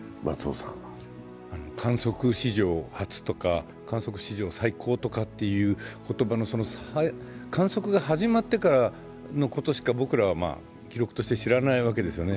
観測史上初とか、観測史上最高とかっていう言葉、観測が始まってからのことしか僕らは記録として知らないわけですよね。